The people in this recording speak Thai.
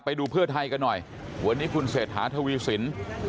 ไปดูเพื่อไทยกันหน่อยวันนี้คุณเศรษฐาทวีสิน